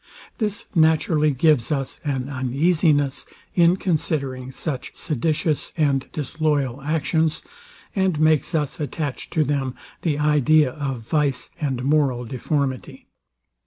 This naturally gives us an uneasiness, in considering such seditious and disloyal actions, and makes us attach to them the idea of vice and moral deformity.